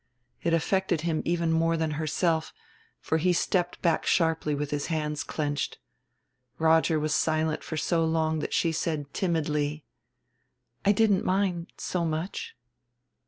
It affected him even more than herself, for he stepped back sharply with his hands clenched. Roger was silent for so long that she said, timidly: "I didn't mind, so much."